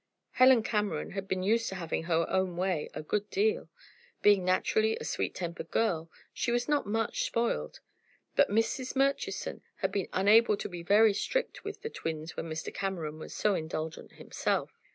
Helen Cameron had been used to having her own way a good deal. Being naturally a sweet tempered girl, she was not much spoiled. But Mrs. Murchiston had been unable to be very strict with the twins when Mr. Cameron was so indulgent himself.